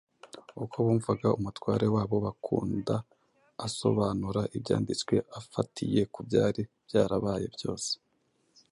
Uko bumvaga Umutware wabo bakunda asobanura Ibyanditswe afatiye ku byari byarabaye byose,